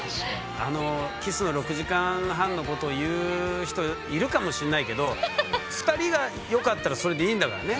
あのキスの６時間半のこと言う人いるかもしんないけど２人がよかったらそれでいいんだからね。